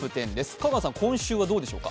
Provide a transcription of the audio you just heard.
香川さん、今週はどうでしょうか。